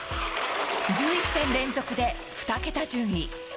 １１戦連続で２桁順位。